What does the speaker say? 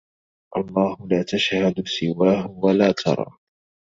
الله لا تشهد سواه ولا ترى